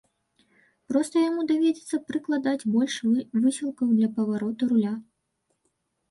Проста яму давядзецца прыкладаць больш высілкаў для павароту руля.